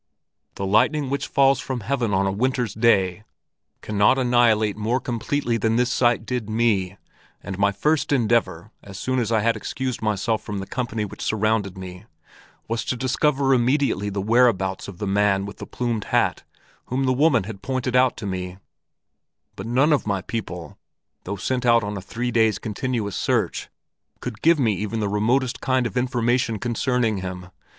The lightning which falls from heaven on a winter's day cannot annihilate more completely than this sight did me, and my first endeavor, as soon as I had excused myself from the company which surrounded me, was to discover immediately the whereabouts of the man with the plumed hat whom the woman had pointed out to me; but none of my people, though sent out on a three days' continuous search, could give me even the remotest kind of information concerning him.